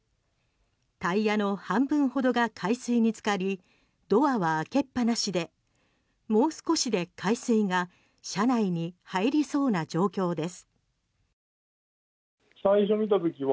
タイヤの半分ほどが海水に浸かりドアは開けっ放しでもう少しで海水が車内に入りそうな状況です。